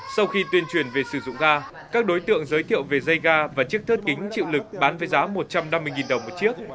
sau khi tuyên truyền về sử dụng ga các đối tượng giới thiệu về dây ga và chiếc thớt kính chịu lực bán với giá một trăm năm mươi đồng một chiếc